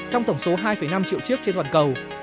hãng đã bán ra khoảng hai năm triệu chiếc trên toàn cầu